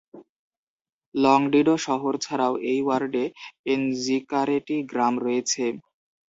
লংডিডো শহর ছাড়াও, এই ওয়ার্ডে এনজিকারেটি গ্রাম রয়েছে।